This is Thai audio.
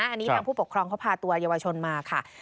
อันนี้ทางผู้ปกครองเขาพาตัวเยาวชนมาค่ะ